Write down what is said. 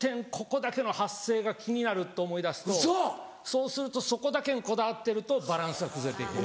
ここだけの発声が気になると思いだすとそうするとそこだけにこだわってるとバランスが崩れて行く。